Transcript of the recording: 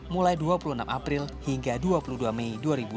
mulai dua puluh enam april hingga dua puluh dua mei dua ribu dua puluh